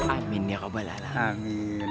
amin ya rabbal alamin